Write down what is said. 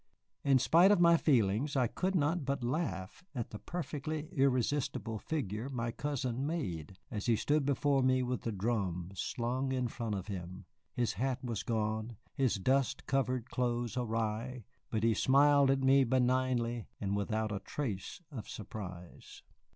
In spite of my feelings I could not but laugh at the perfectly irresistible figure my cousin made, as he stood before me with the drum slung in front of him. His hat was gone, his dust covered clothes awry, but he smiled at me benignly and without a trace of surprise.